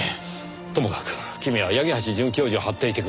ともかく君は八木橋准教授を張っていてください。